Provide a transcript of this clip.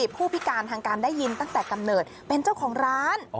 ผู้พิการทางการได้ยินตั้งแต่กำเนิดเป็นเจ้าของร้าน